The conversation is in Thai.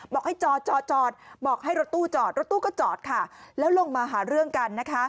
บอกให้จอดจอดบอกให้รถตู้จอดรถตู้ก็จอดค่ะแล้วลงมาหาเรื่องกันนะคะ